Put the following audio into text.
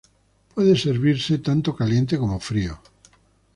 Puede ser servido tanto caliente como frío.